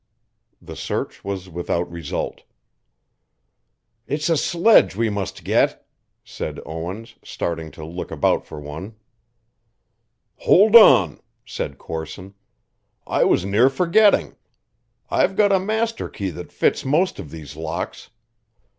The search was without result. "It's a sledge we must get," said Owens, starting to look about for one. "Hould on," said Corson, "I was near forgetting. I've got a master key that fits most of these locks.